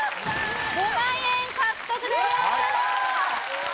５万円獲得でーすさあ